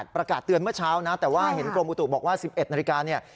ประกาศเตือนเมื่อเช้านะแต่ว่าเห็นกรมอุตุบอกว่า๑๑นาฬิกาเนี่ย